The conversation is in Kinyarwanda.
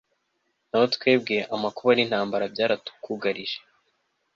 naho twebwe, amakuba n'intambara byaratwugarije